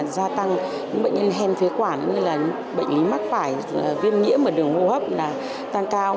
gia tăng những bệnh nhân hèn phế quản bệnh lý mắc phải viêm nhiễm ở đường hô hấp tăng cao